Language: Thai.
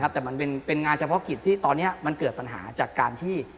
แต่มันเป็นงานเฉพาะกิจที่ตอนนี้มันเกิดปัญหาจากการที่